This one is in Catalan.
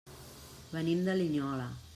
Venim de Linyola.